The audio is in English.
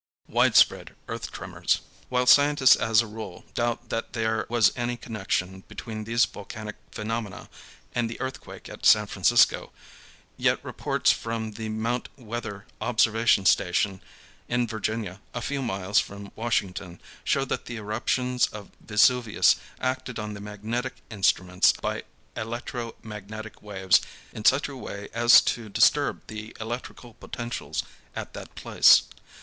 WIDESPREAD EARTH TREMORS. While scientists as a rule doubt that there was any connection between these volcanic phenomena and the earthquake at San Francisco, yet reports from the Mount Weather observation station in Virginia, a few miles from Washington, show that the eruptions of Vesuvius acted on the magnetic instruments by electro magnetic waves in such a way as to disturb the electrical potentials at that place.